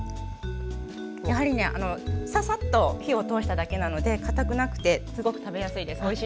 やはりねササッと火を通しただけなので堅くなくてすごく食べやすいです。